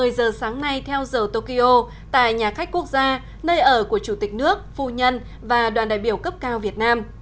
một mươi giờ sáng nay theo giờ tokyo tại nhà khách quốc gia nơi ở của chủ tịch nước phu nhân và đoàn đại biểu cấp cao việt nam